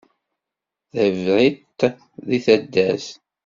Tabriṭ deg taddart.